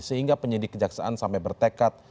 sehingga penyidik kejaksaan sampai bertekad